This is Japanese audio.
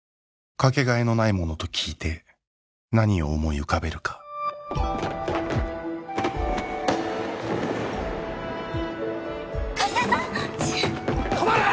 かけがえのないものと聞いて何を思い浮かべるか加瀬さん！